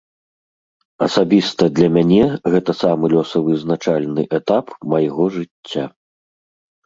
Асабіста для мяне гэта самы лёсавызначальны этап майго жыцця.